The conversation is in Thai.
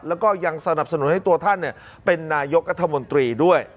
แล้วก็ยังสนับสนุนให้ตัวท่านเป็นนายกรัฐมนตรีด้วย